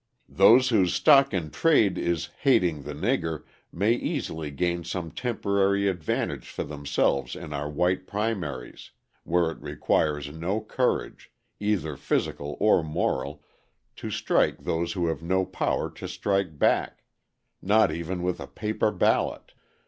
"Those whose stock in trade is 'hating the nigger' may easily gain some temporary advantage for themselves in our white primaries, where it requires no courage, either physical or moral, to strike those who have no power to strike back not even with a paper ballot.